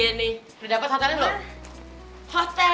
sudah dapat hotelnya bu